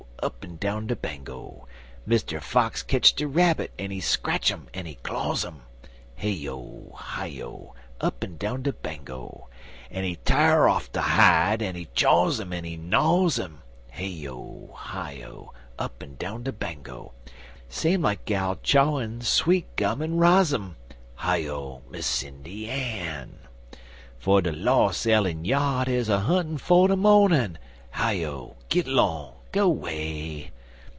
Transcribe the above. Up'n down de Bango!) Mr. Fox ketch de Rabbit, en he scratch um en he claws um (Hey O! Hi O! Up'n down de Bango!) En he tar off de hide, en he chaws um en he gnyaws um (Hey O! Hi O! Up'n down de Bango!) Same like gal chawin' sweet gum en rozzum (Hi O, Miss Sindy Ann!) For de los' ell en yard is a huntin' for de mornin' (Hi O! git 'long! go 'way!)